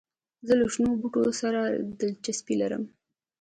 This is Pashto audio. زه له شنو بوټو سره دلچسپي لرم.